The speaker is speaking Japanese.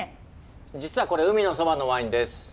実はこれ海のそばのワインです。